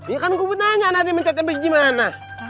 ya kan gue tanya nanti mencet ncet gimana